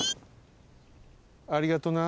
ありがとな。